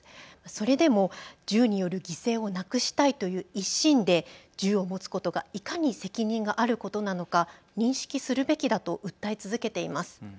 それでも銃による犠牲をなくしたいという一心で銃を持つことがいかに責任があることなのか認識するべきだと訴え続けています。